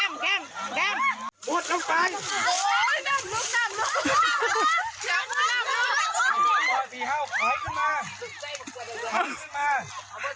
สอยมาเดี๋ยวนี้ให้ผมเป็นกลมให้ผมเป็นกลม